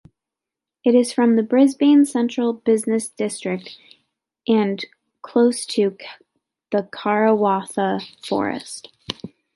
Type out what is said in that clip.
It is from the Brisbane central business district and close to the Karawatha Forest.